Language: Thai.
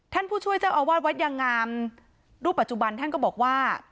ผู้ช่วยเจ้าอาวาสวัดยางงามรูปปัจจุบันท่านก็บอกว่า